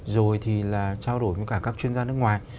rồi thì là trao đổi với cả các chuyên gia nước ngoài